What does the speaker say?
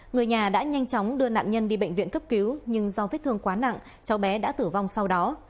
người nhà đã nhanh chóng đưa nạn nhân đi bệnh viện cấp cứu nhưng do vết thương quá nặng cháu bé đã tử vong sau đó